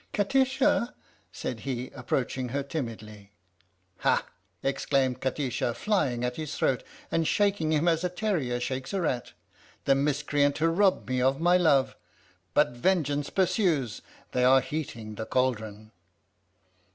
" Kati sha," said he, approaching her timidly. " Ha! " exclaimed Kati sha, flying at his throat and shaking him as a terrier shakes a rat, " the mis creant who robbed me of my love ! But vengeance pursues they are heating the cauldron!